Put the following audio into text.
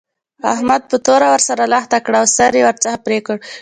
احمد په توره ور سره لښته کړه او سر يې ورڅخه پرې کړ.